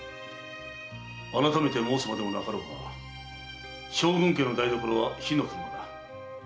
改めて申すまでもなかろうが将軍家の台所は火の車だ。